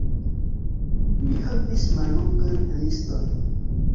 Ni havis mallongan liston.